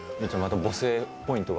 母性ポイントは？